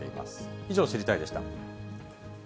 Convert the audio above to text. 以上、知りたいッ！でした。